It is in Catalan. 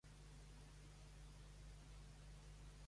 Els "flash mob" a Taiwan són normalment generats per aquesta cultura.